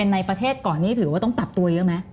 ในประเทศก่อนนี้ถือว่าต้องปรับตัวเยอะไหม